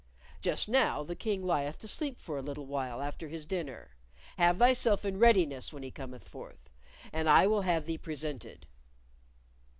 Just now the King lieth to sleep for a little while after his dinner; have thyself in readiness when he cometh forth, and I will have thee presented."